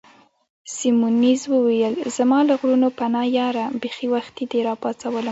سیمونز وویل: زما له غرونو پناه یاره، بیخي وختي دي را وپاڅولم.